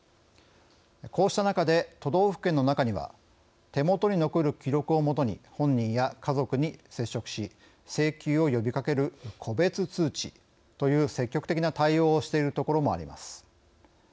こうした中で、都道府県の中には手元に残る記録を基に本人や家族に接触し請求を呼びかける個別通知という積極的な対応をしているところもあります。